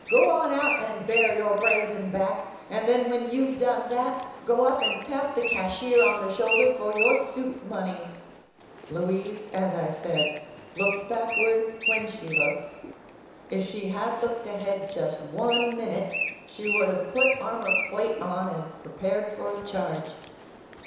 "Go on out and bare your brazen back — and then when you've done that, go up and tap the cashier on the shoulder for your soup money !" Louise, as I said, looked backward when she looked. If she had looked ahead just one minute, she would have put armor plate on and prepared for a charge.